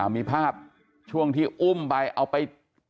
มีภาพช่วงที่อุ้มไปเอาไป